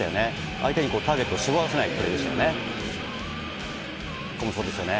相手にターゲットを絞らせないプレーでしたよね。